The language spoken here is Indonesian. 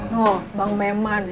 nuh bang meman